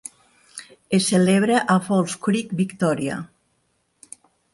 Es celebra a Falls Creek, Victòria.